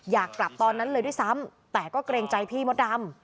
อยากกลับตอนนั้นเลยด้วยซ้ำแต่ก็เกรงใจพี่มดดำ